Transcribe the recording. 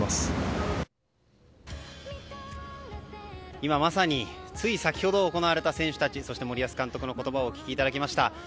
今、まさについ先ほど行われた選手たちそして森保監督の言葉をお聞きいただきました。